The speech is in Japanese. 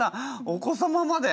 お子様まで！